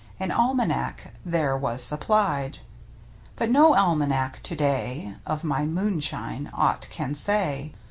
An almanac there was suppHed. But no almanac to day Of my " Moonshine " aught can say.